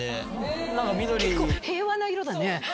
結構平和な色だね。